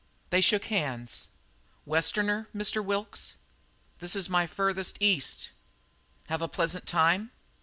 They shook hands. "Westerner, Mr. Wilkes?" "This is my furthest East." "Have a pleasant time?"